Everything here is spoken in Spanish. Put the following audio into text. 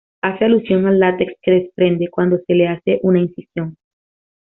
Hace alusión al látex que desprende cuando se le hace una incisión.